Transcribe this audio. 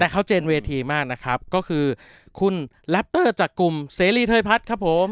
แต่เขาเจนเวทีมากนะครับก็คือคุณแรปเตอร์จักรุ่มเสรีเทยพัฒน์ครับผม